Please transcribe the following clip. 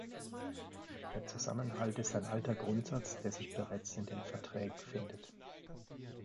Der Zusammenhalt ist ein alter Grundsatz, der sich bereits in den Verträgen findet.